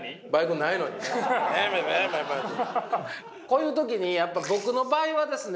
こういう時にやっぱ僕の場合はですね